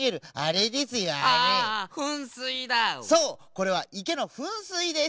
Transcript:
これはいけのふんすいです。